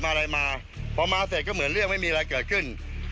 อะไรมาพอมาเสร็จก็เหมือนเรื่องไม่มีอะไรเกิดขึ้น